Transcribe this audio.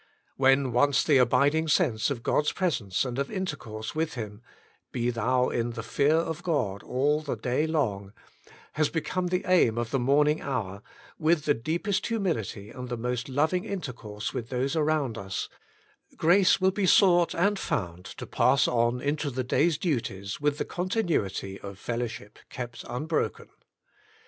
When once the abiding sense of God's presence and of intercourse with Him —" be thou in the fear of God all the day long "—has become the aim of the morning hour, with the deepest humility and the most loving intercourse with those around us, grace will be sought and 22 The Inner Chamber found to pass on into the day's duties with the continuity of fellowship kept unbroken.